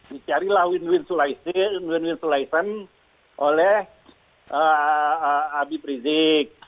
dicarilah win win selesaikan oleh abie prizik